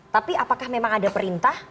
tapi apakah memang ada perintah